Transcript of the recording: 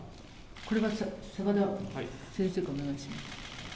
これは澤田先生からお願いします。